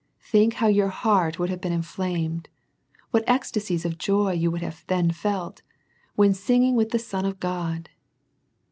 Think how your heart would have been inflamed, what ecstacies of J^y you would have then felt, when singing with the Son of God.